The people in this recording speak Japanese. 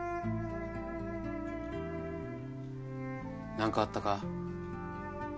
何かあったか？